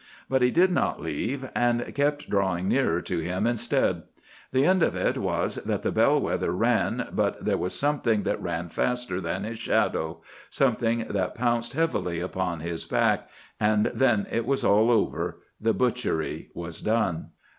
But he did not leave, and kept drawing nearer to him instead. The end of it was that the bell wether ran, but there was something that ran faster than his shadow—something that pounced heavily upon his back—and then it was all over; the butchery was done.